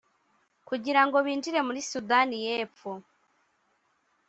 kugira ngo binjire muri Sudani y’Epfo